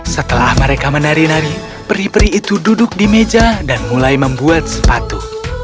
setelah mereka menari nari peri peri itu duduk di meja dan mulai membuat sepatu